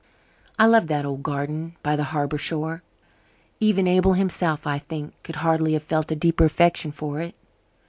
I loved that old garden by the harbour shore. Even Abel himself, I think, could hardly have felt a deeper affection for it.